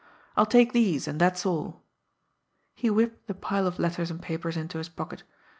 I'll take these, and that's all." He whipped the pile of letters and papers into his pocket.